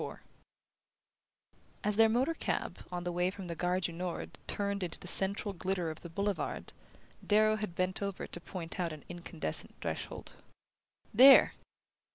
IV As their motor cab, on the way from the Gare du Nord, turned into the central glitter of the Boulevard, Darrow had bent over to point out an incandescent threshold. "There!"